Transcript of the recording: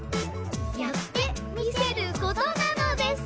「やってみせる事なのです」